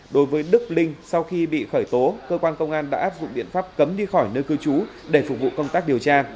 đối với đức linh sau khi bị khởi tố cơ quan công an đã áp dụng biện pháp cấm đi khỏi nơi cư trú để phục vụ công tác điều tra